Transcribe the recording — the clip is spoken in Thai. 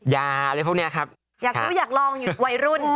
อยากลองใบรุ่น